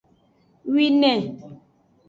Wine.